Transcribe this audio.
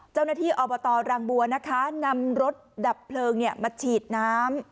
เจ้าหน้าที่อบตรังบัวนะคะนำรถดับเพลิงมาฉีดน้ำ